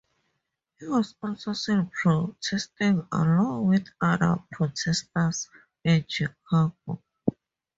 He was also seen protesting along with other protesters in Chicago.